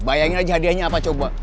bayangin aja hadiahnya apa coba